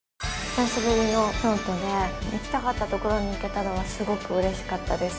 久しぶりの京都で行きたかったところに行けたのがすごくうれしかったです。